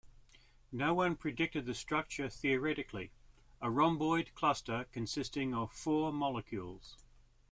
No one predicted the structure theoretically: a rhomboid cluster consisting of four molecules.